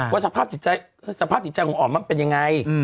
ว่าสภาพจิตใจของอ๋อมมันเป็นยังไง